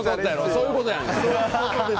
そういうことやねん！